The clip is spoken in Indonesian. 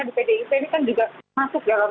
untuk kecil wali kota surabaya ini